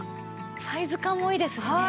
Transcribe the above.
サイズ感もいいですしね。